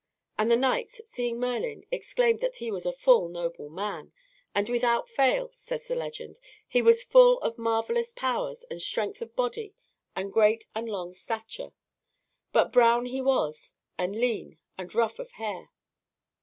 And the knights, seeing Merlin, exclaimed that he was "a full noble man"; and "without fail," says the legend, "he was full of marvellous powers and strength of body and great and long stature; but brown he was and lean and rough of hair."